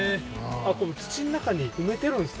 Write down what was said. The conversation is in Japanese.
土の中に埋めてるんですか？